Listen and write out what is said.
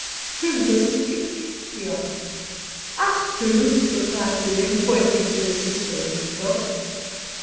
"Whom does he teach?" she asked. "Us two," replied William, pointing to his sister and himself.